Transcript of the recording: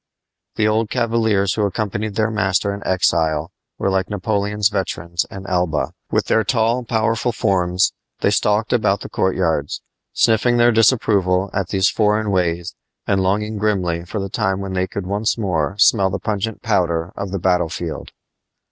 The old cavaliers who accompanied their master in exile were like Napoleon's veterans in Elba. With their tall, powerful forms they stalked about the courtyards, sniffing their disapproval at these foreign ways and longing grimly for the time when they could once more smell the pungent powder of the battle field.